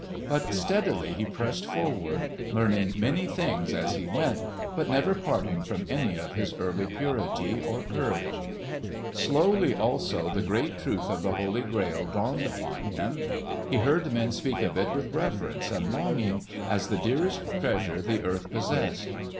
But steadily he pressed forward, learning many things as he went, but never parting from any of his early purity or courage. Slowly, also, the great truth of the Holy Grail dawned upon him. He heard men speak of it with reverence and longing as the dearest treasure the earth possessed.